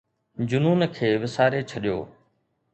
جنون کي وساري ڇڏيو